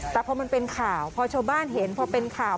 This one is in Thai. แต่พอมันเป็นข่าวพอชาวบ้านเห็นพอเป็นข่าว